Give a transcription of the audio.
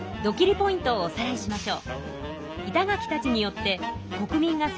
ポイントをおさらいしましょう。